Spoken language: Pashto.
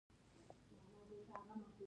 ساقي کښتۍ ډبرین میل ته نږدې کړه.